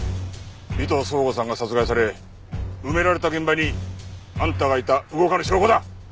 尾藤奏吾さんが殺害され埋められた現場にあんたがいた動かぬ証拠だ！